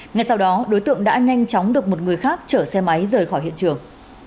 ngay sau đó đối tượng đã nhanh chóng được một người khác chở xe máy rời khỏi hiện trường